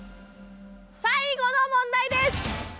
最後の問題です！